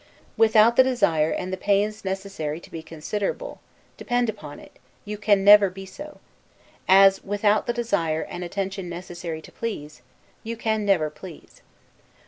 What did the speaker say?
Without the desire and the pains necessary to be considerable, depend upon it, you never can be so; as, without the desire and attention necessary to please, you never can please.